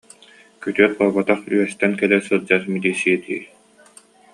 Күтүөт буолбатах, үөстэн кэлэ сылдьар милииссийэ дии